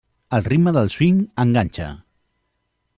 El ritme del swing enganxa.